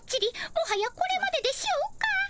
もはやこれまででしょうか。